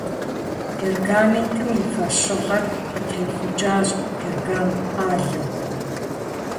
Пергаментым и фӏэщыгъэр къытехъукӏащ Пергам къалэм.